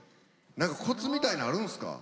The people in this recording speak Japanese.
何かコツみたいなあるんですか？